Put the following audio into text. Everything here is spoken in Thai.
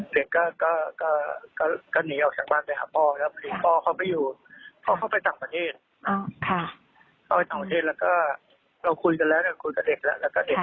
เพราะว่าตอนนี้เราขอให้เด็กไม่ยอมยังไม่อยากคุยกับแม่